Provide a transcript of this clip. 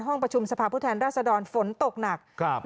ห้องประชุมสภาพภูมิแทนราชดรฝนตกหนักครับ